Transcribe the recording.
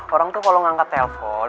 orang tuh kalau ngangkat telpon